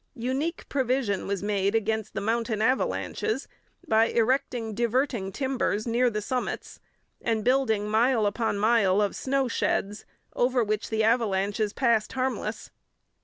Unique provision was made against the mountain avalanches by erecting diverting timbers near the summits and building mile upon mile of snow sheds, over which the avalanches passed harmless.